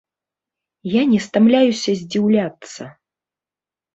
Я не стамляюся здзіўляцца.